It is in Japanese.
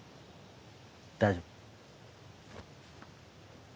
大丈夫。